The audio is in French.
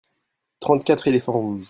trente quatre éléphants rouges.